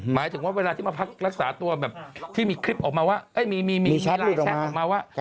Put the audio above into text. หมายถึงว่าเวลาที่มาพักรักษาตัวแบบที่มีคลิปออกมาว่ามีไลน์แชทออกมาว่า